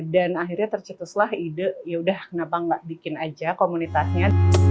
dan akhirnya tercetuslah ide yaudah kenapa nggak bikin aja komunitasnya